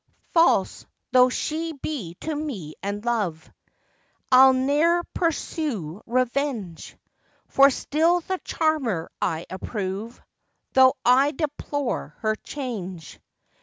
False though she be to me and love, I'll ne'er pursue revenge; For still the charmer I approve, Though I deplore her change.